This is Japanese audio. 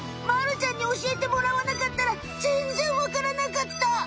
まるちゃんにおしえてもらわなかったらぜんぜんわからなかった！